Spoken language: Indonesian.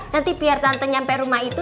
nanti biar tante nyampe rumah itu